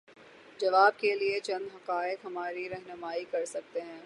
جواب کے لیے چند حقائق ہماری رہنمائی کر سکتے ہیں۔